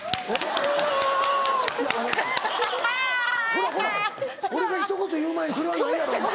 こらこら俺がひと言言う前にそれはないやろお前。